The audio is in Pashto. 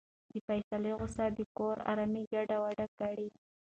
د فیصل غوسه د کور ارامي ګډوډه کړه.